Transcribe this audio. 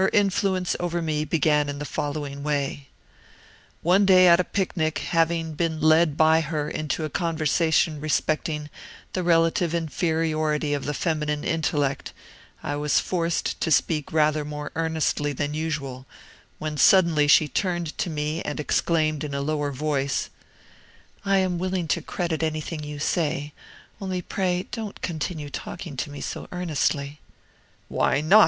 "Her influence over me began in the following way. One day, at a picnic, having been led by her into a conversation respecting the relative inferiority of the feminine intellect, I was forced to speak rather more earnestly than usual, when suddenly she turned to me and exclaimed in a lower voice: "'I am willing to credit anything you say; only pray don't continue talking to me so earnestly.' "'Why not?'